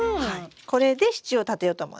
これで支柱を立てようと思うんです。